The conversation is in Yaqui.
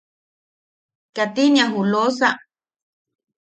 ¿Katinia ju Loosa?